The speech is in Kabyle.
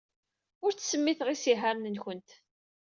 Ur ttsemmiteɣ isihaṛen-nwent.